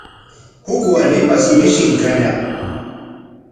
Huk warmipash mishin kañaq.